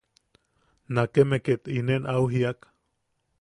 Nakkeme ket inien au jiak: